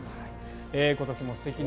今年も素敵な。